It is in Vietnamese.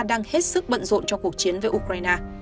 đang hết sức bận rộn cho cuộc chiến với ukraine